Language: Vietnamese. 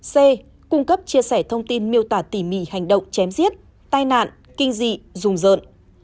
c cung cấp chia sẻ thông tin miêu tả tỉ mỉ hành động chém giết tai nạn kinh dị rùng rợn